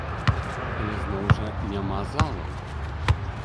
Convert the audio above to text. Але зноў жа, няма залаў!